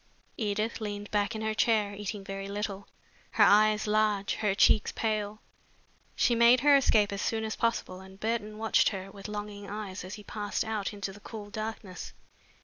Edith leaned back in her chair, eating very little, her eyes large, her cheeks pale. She made her escape as soon as possible and Burton watched her with longing eyes as he passed out into the cool darkness.